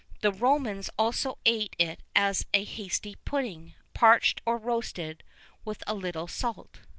The Romans also ate it as hasty pudding, parched or roasted, with a little salt.